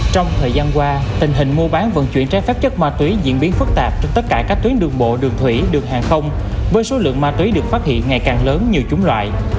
trong thời gian qua tình hình mua bán vận chuyển trái phép chất ma túy diễn biến phức tạp trên tất cả các tuyến đường bộ đường thủy đường hàng không với số lượng ma túy được phát hiện ngày càng lớn như chúng loại